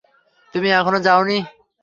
তুমি এখনও যাওনি?